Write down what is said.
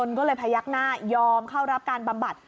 ก็เลยพยักหน้ายอมเข้ารับการบำบัด